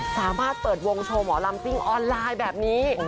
สามารถเปิดวงโชว์หมอลำซิ่งออนไลน์แบบนี้